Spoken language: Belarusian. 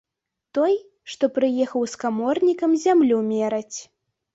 Той, што прыехаў з каморнікам зямлю мераць.